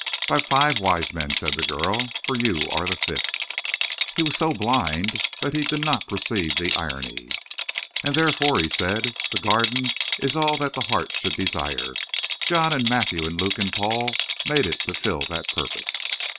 "By five wise men," said the girl. "For you are the fifth." He was so blind that he did not perceive the irony. "And therefore," he said, "the Garden is all that the heart should desire. John and Matthew and Luke and Paul made it to fill that purpose."